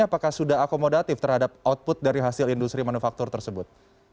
apakah sudah akomodatif terhadap output dari hasil industri manufaktur tersebut